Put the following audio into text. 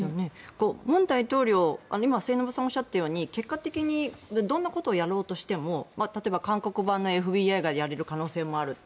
文大統領末延さんがおっしゃったようにどんなことをやろうとしても韓国版のＦＢＩがやれる可能性もある。